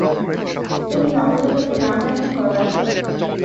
তিনি নবজাতকের নাম রাখেন গদাধর।